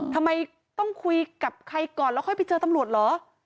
ทำไมต้องคุยกับใครก่อนแล้วค่อยไปเจอตำรวจเหรอ